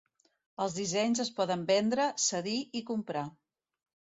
Els dissenys es poden vendre, cedir i comprar.